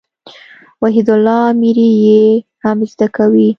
وحيدالله اميري ئې هم زده کوي.